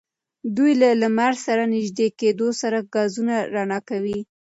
دوی له لمر سره نژدې کېدو سره ګازونه رڼا کوي.